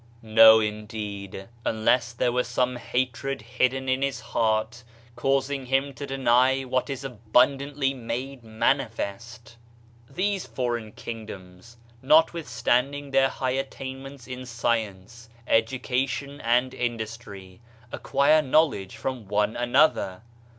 No indeed, unless there were some 38 Digitized by Google OF CIVILIZATION hatred hidden in his heart, causing him to deny what is abundantly made manifest. These foreign kingdoms, notwithstanding their high attainments in science, education and in dustry, acquire knowledge from one another.